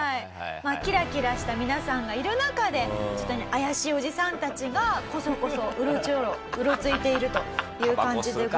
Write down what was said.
キラキラした皆さんがいる中でちょっと怪しいおじさんたちがこそこそうろちょろうろついているという感じで。